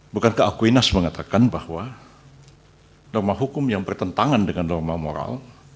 bukankah akuinas mengatakan bahwa norma hukum yang bertentangan dengan norma moral